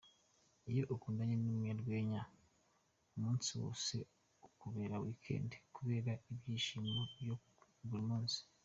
Iyo ukundanye n’umunyarwenya, umunsi wose ukubera Weekend kubera ibyishimo bya buri munsi.